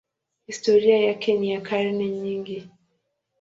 Historia yake ni ya karne nyingi.